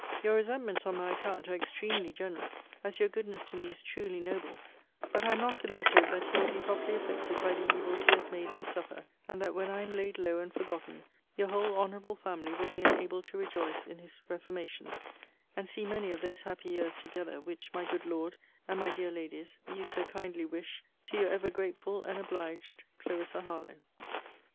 Your resentments on my account are extremely generous, as your goodness to me is truly noble: but I am not without hope that he will be properly affected by the evils he has made me suffer; and that, when I am laid low and forgotten, your whole honourable family will be enabled to rejoice in his reformation; and see many of those happy years together, which, my good Lord, and my dear Ladies, you so kindly wish to Your ever grateful and obliged CLARISSA HARLOWE.